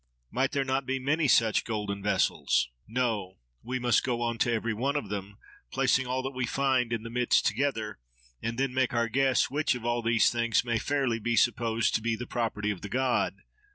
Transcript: Might there not be many such golden vessels?—No! we must go on to every one of them, placing all that we find in the midst together, and then make our guess which of all those things may fairly be supposed to be the property of the god.